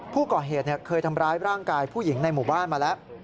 ผู้ก่อเหตุเคยทำร้ายร่างกายผู้หญิงในหมู่บ้านมาแล้ว